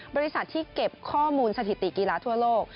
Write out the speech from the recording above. บริษัทที่เก็บข้อมูลสถิติกีฬาทั่วโลก